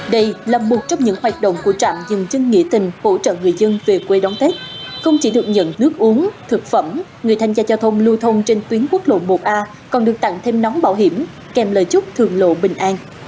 đây là một trong những hoạt động của trạm dừng chân nghỉ tình hỗ trợ người dân về quê đón tết không chỉ được nhận nước uống thực phẩm người thanh gia giao thông lưu thông trên tuyến quốc lộ một a còn được tặng thêm nóng bảo hiểm kèm lời chúc thường lộ bình an